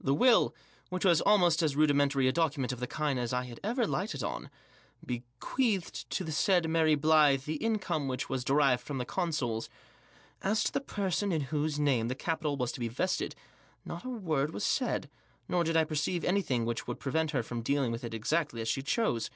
The will — which was almost as rudimentary a document of the kind as I ever lighted on — be queathed to the said Mary Blyth the income which was derived from the consols. As to the person in whose name the capital was to be vested not a word was said, nor did I perceive anything which would prevent her from dealing with it exactly as she chose.